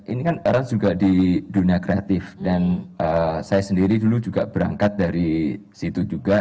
ini kan era juga di dunia kreatif dan saya sendiri dulu juga berangkat dari situ juga